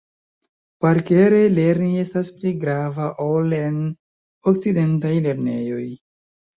Parkere lerni estas pli grava ol en okcidentaj lernejoj.